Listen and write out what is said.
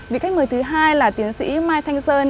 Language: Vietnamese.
vị khách mời thứ hai là tiến sĩ mai thanh sơn